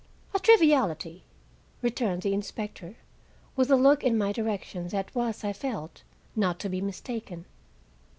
"A triviality," returned the inspector, with a look in my direction that was, I felt, not to be mistaken.